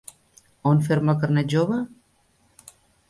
On fer-me el carnet jove?